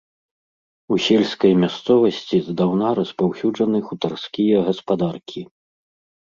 У сельскай мясцовасці здаўна распаўсюджаны хутарскія гаспадаркі.